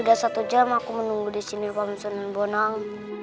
udah satu jam aku menunggu disini pak monsun nenbonang